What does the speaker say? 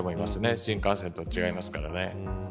新幹線と違いますからね。